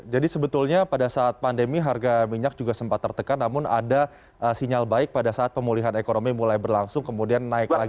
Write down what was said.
jadi sebetulnya pada saat pandemi harga minyak juga sempat tertekan namun ada sinyal baik pada saat pemulihan ekonomi mulai berlangsung kemudian naik lagi